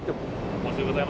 申し訳ございません。